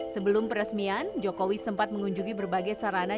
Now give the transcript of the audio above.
sebelum peresmian jokowi sempat mengunjungi berbagai sarana